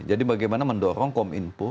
jadi bagaimana mendorong kominfo